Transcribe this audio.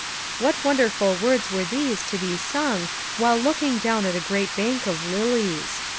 What wonderful words were these to be sung while looking down at a great bank of lilies